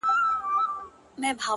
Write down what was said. • د پامیر لوري یه د ښکلي اریانا لوري،